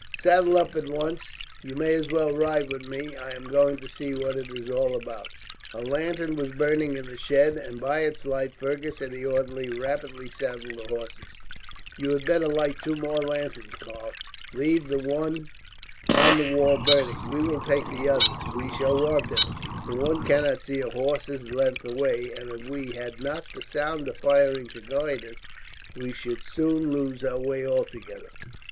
"Saddle up at once. You may as well ride with me. I am going to see what it is all about." A lantern was burning in the shed, and by its light Fergus and the orderly rapidly saddled the horses. "You had better light two more lanterns, Karl. Leave the one on the wall burning. We will take the others. We shall want them, for one cannot see a horse's length away; and if we had not the sound of firing to guide us, we should soon lose our way altogether."